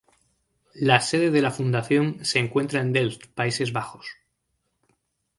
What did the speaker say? La sede de la fundación se encuentra en Delft, Países Bajos.